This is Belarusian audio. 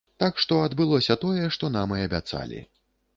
Так што адбылося тое, што нам і абяцалі.